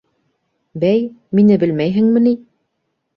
— Бәй, мине белмәйһеңме ни?